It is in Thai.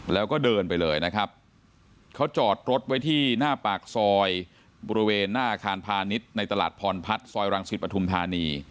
แล้วก็เดินไปเลยนะครับเขาจอดรถไว้ที่หน้าปากซอยบริเวณหน้าอาคารพาณิชย์ในตลาดพรพัฒน์ซอยรังสิตปฐุมธานี